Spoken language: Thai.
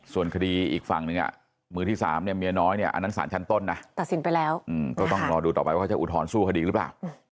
ส่วนคดีอีกฝั่งหนึ่งมือที่๓เนี่ยเมียน้อยเนี่ยอันนั้นสารชั้นต้นนะตัดสินไปแล้วก็ต้องรอดูต่อไปว่าเขาจะอุทธรณสู้คดีหรือเปล่า